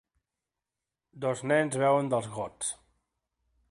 Dos nens beuen dels gots.